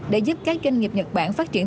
để giúp các doanh nghiệp nhật bản phát triển